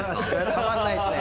たまらないですね。